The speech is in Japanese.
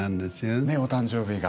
ねお誕生日が。